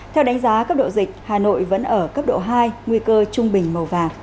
theo đánh giá cấp độ dịch hà nội vẫn ở cấp độ hai nguy cơ trung bình màu vàng